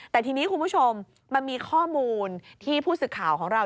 แต่ทีนี้คุณผู้ชมมันมีข้อมูลที่ผู้สื่อข่าวของเรา